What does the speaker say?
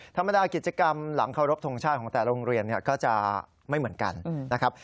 ธรรมดากิจกรรมหลังเคารพทงชาติของแต่โรงเรียนก็จะไม่เหมือนกันนะครับ